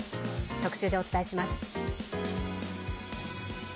特集でお伝えします。